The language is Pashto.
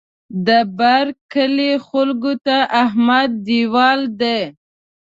د بر کلي خلکو ته احمد دېوال دی.